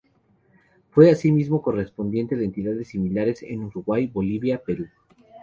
Fue asimismo correspondiente de entidades similares en Uruguay, Bolivia, Perú.